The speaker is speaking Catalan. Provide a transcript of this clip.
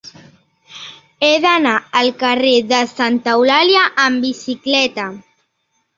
He d'anar al carrer de Santa Eulàlia amb bicicleta.